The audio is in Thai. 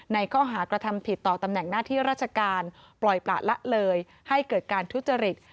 ในข้อหากระทำผิดต่อตำแหน่งหน้าที่ราชการปล่อยประละเลยให้เกิดการทุจริต